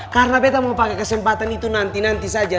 karena beto mau pakai kesempatan itu nanti nanti saja